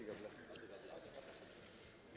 you kapan ke lombok